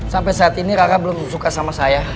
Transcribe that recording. sampai saat ini rara belum suka sama saya